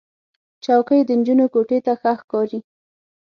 چوکۍ د نجونو کوټې ته ښه ښکاري.